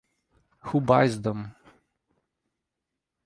Who buys them?